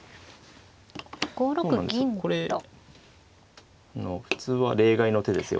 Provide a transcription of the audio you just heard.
これ普通は例外の手ですよ。